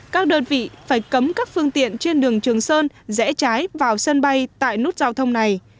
các đơn vị phải cấm các phương tiện trên đường trường sơn rẽ trái vào sân bay tại nút giao thông này